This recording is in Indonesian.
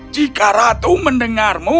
jika ratu mendengarmu